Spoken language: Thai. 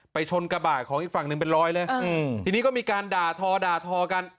ชนกระบะของอีกฝั่งหนึ่งเป็นรอยเลยอืมทีนี้ก็มีการด่าทอด่าทอกัน